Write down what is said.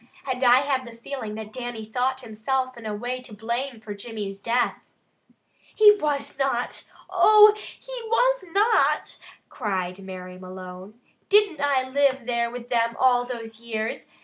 And I have had the feeling that Dannie thought himself in a way to blame for Jimmy's death." "He was not! Oh, he was not!" cried Mary Malone. "Didn't I live there with them all those years?